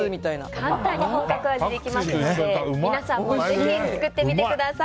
簡単に本格的な味ができますので皆さんもぜひ作ってみてください。